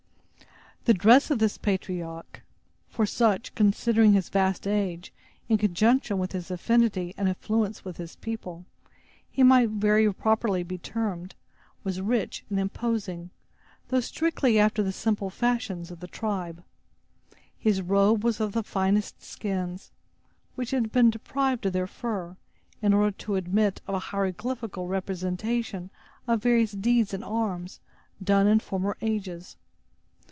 The dress of this patriarch—for such, considering his vast age, in conjunction with his affinity and influence with his people, he might very properly be termed—was rich and imposing, though strictly after the simple fashions of the tribe. His robe was of the finest skins, which had been deprived of their fur, in order to admit of a hieroglyphical representation of various deeds in arms, done in former ages.